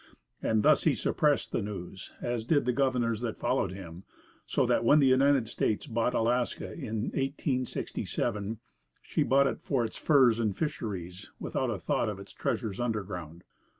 And thus he suppressed the news, as did the governors that followed him, so that when the United States bought Alaska in 1867, she bought it for its furs and fisheries, without a thought of its treasures underground.